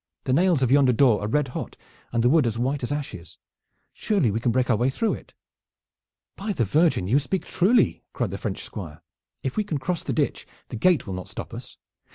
"The nails of yonder door are red hot and the wood as white as ashes. Surely we can break our way through it." "By the Virgin, you speak truly!" cried the French Squire. "If we can cross the ditch the gate will not stop us.